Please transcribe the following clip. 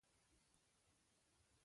پیاز د املیټ لپاره ښه وي